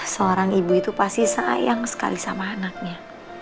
seorang ibu itu pasti sayang sekali sama anaknya